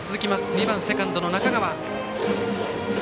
２番セカンド、中川。